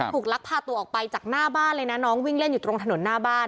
ลักพาตัวออกไปจากหน้าบ้านเลยนะน้องวิ่งเล่นอยู่ตรงถนนหน้าบ้าน